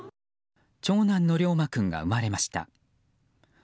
長男の凌磨君が生まれました。